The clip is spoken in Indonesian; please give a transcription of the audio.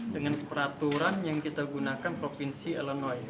dengan peraturan yang kita gunakan provinsi alonoy